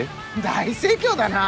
大盛況だな。